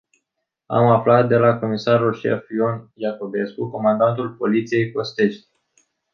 Am aflat de la comisarul șef Ion Iacobescu, comandantul Poliției Costești.